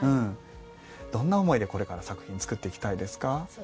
どんな思いでこれから作品作っていきたいですか？